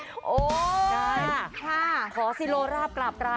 ทุกข้าทุกข้าทุกข้าทุกข้าทุกข้า